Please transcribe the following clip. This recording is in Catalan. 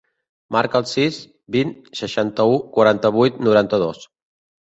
Marca el sis, vint, seixanta-u, quaranta-vuit, noranta-dos.